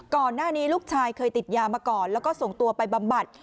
ก่อนหน้านี้ลูกชายเคยติดยามาก่อนแล้วก็ส่งตัวไปบำบัด